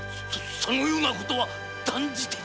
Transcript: そのような事は断じて。